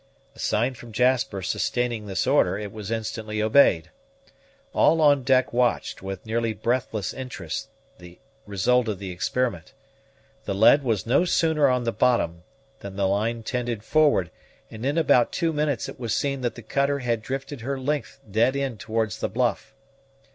A sign from Jasper sustaining this order, it was instantly obeyed. All on deck watched, with nearly breathless interest, the result of the experiment. The lead was no sooner on the bottom, than the line tended forward, and in about two minutes it was seen that the cutter had drifted her length dead in towards the bluff.